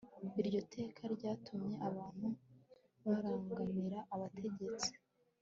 iryo teka ryatumye abantu barangamira abategetsi